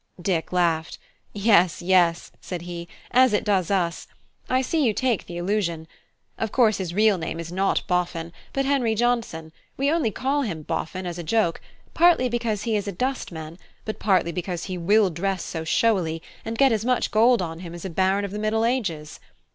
Dick laughed. "Yes, yes," said he, "as it does us. I see you take the allusion. Of course his real name is not Boffin, but Henry Johnson; we only call him Boffin as a joke, partly because he is a dustman, and partly because he will dress so showily, and get as much gold on him as a baron of the Middle Ages.